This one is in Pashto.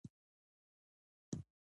مېلې د خلکو د ذوق او هنر څرګندونه کوي.